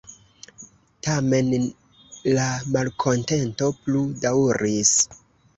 Tamen la malkontento plu-daŭris.